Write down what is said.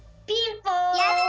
やった！